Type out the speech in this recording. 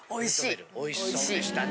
おいしそうでしたね。